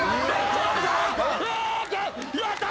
やったー！